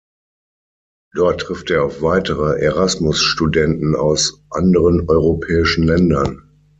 Dort trifft er auf weitere Erasmus-Studenten aus anderen europäischen Ländern.